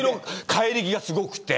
怪力がすごくて。